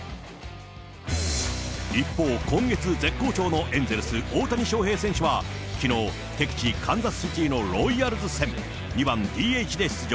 一方、今月絶好調のエンゼルス、大谷翔平選手はきのう、敵地、カンザスシティーのロイヤルズ戦。２番ＤＨで出場。